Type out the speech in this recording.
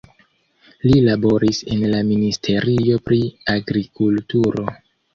Li laboris en la Ministerio pri Agrikulturo.